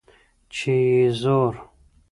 چي یې زور